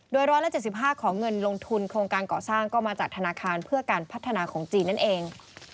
โดย๑๗๕ของเงินลงทุนโครงการก่อสร้างก็มาจากธนาคารเพื่อการพัฒนาของจีนนั่นเอง